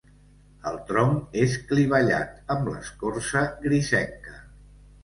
El tronc és clivellat amb l'escorça grisenca.